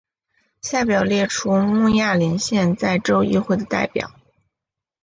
下表列出慕亚林县在州议会的代表。